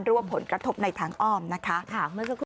ว่าผลกระทบในทางอ้อมนะคะ